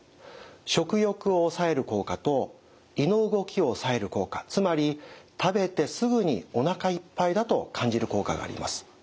食欲を抑える効果と胃の動きを抑える効果つまり食べてすぐにおなかいっぱいだと感じる効果があります。